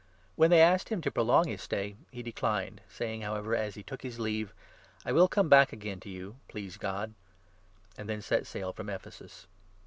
When they asked him to prolong his stay, he declined, saying 20 however, as he took his leave, " I will come back again to 21 you, please God," and then set sail from Ephesus.